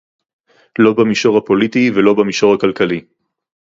לא במישור הפוליטי ולא במישור הכלכלי